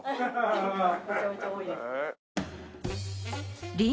めちゃめちゃ多いですね。